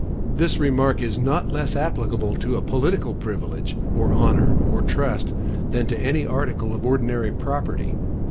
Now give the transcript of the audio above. This remark is not less applicable to a political privilege, or honor, or trust, than to any article of ordinary property.